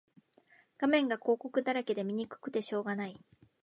画面が広告だらけで見にくくてしょうがない